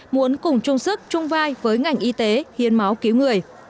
muốn cùng chung sức chung vai với ngành y tế hiến máu cứu người